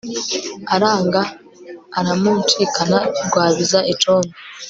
aranga aramunshikana Rwabiza icondo